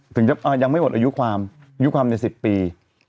ถึงจะยังไม่หมดอายุความอายุความใน๑๐ปี